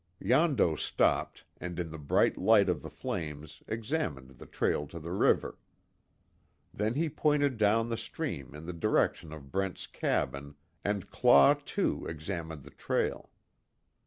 Yondo stopped, and in the bright light of the flames examined the trail to the river. Then he pointed down the stream in the direction of Brent's cabin, and Claw, too, examined the trail.